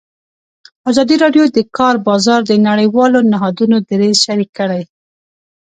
ازادي راډیو د د کار بازار د نړیوالو نهادونو دریځ شریک کړی.